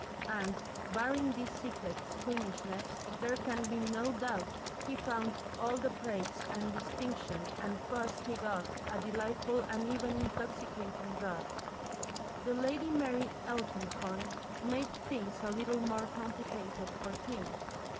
And, barring this secret squeamishness, there can be no doubt he found all the praise and distinction and fuss he got a delightful and even intoxicating draught. The Lady Mary Elkinghorn made things a little more complicated for him.